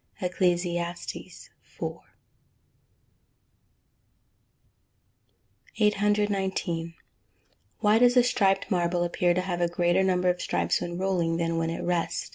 ECCLESIASTES IV.] 819. _Why does a striped marble appear to have a greater number of stripes when rolling, than when at rest?